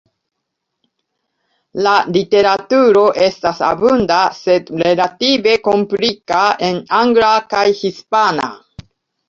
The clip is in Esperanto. La literaturo estas abunda sed relative komplika, en angla kaj hispana.